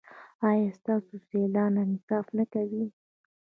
ایا ستاسو سیالان انصاف نه کوي؟